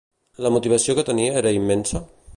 La motivació que tenia era immensa?